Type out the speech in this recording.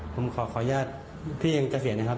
ผมขอขออนุญาตพี่ยังจะเสียนะครับ